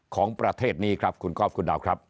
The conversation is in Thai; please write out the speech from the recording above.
ของประเทศนี้ครับคุณก๊อฟคุณดาวครับ